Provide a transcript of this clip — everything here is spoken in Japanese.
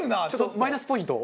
マイナスポイントを。